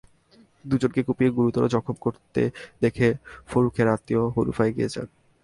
দুজনকে কুপিয়ে গুরুতর জখম করতে দেখে ফরুখের আত্মীয় হনুফা এগিয়ে যান।